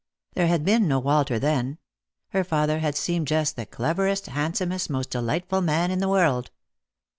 There had been no Walter then ; father had seemed just the cleverest, handsomest, most delightful man in the world.